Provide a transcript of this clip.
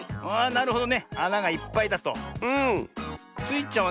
なるほど。